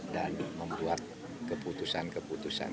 dan membuat keputusan keputusan